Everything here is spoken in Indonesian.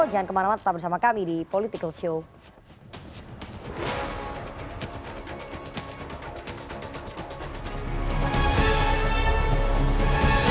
jangan kemarauan tetap bersama kami di politico show